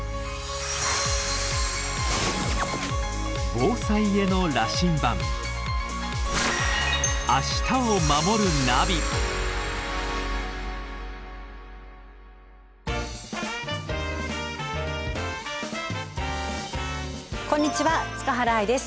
防災への羅針盤こんにちは塚原愛です。